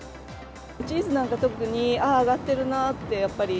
チーズなんか特に、上がってるなって、やっぱり。